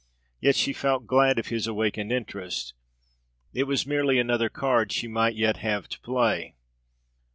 Yet she felt glad of his awakened interest. It was merely another card she might yet have to play.